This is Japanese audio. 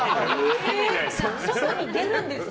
外に出るんですか？